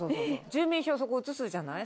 住民票そこ移すじゃない。